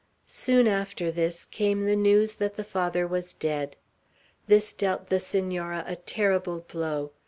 Soon after this came the news that the Father was dead. This dealt the Senora a terrible blow.